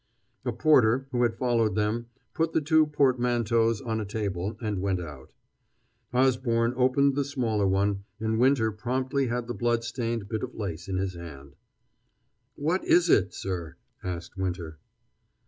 A porter, who had followed them, put the two portmanteaux on a table, and went out. Osborne opened the smaller one, and Winter promptly had the blood stained bit of lace in his hand. "What is it, sir?" asked Winter.